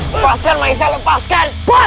lepaskan maisa lepaskan